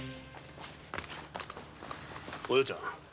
お葉ちゃん